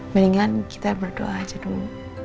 mendingan kita berdoa aja dulu